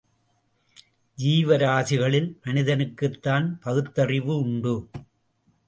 ஜீவராசிகளில் மனிதனுக்குத்தான் பகுத்தறிவு உண்டு.